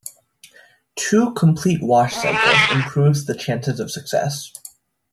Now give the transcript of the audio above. Two complete wash cycles improves the chances of success.